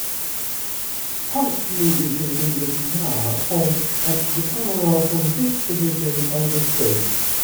Punk musician with a guitar pouts at the camera from his position on the stage.